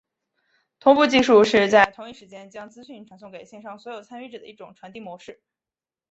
同步技术是在同一时间将资讯传送给线上所有参与者的一种传递模式。